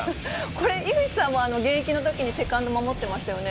これ、井口さんは現役のときにセカンド守ってましたよね。